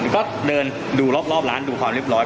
ก็เดินดูรอบร้านดูความเรียบร้อย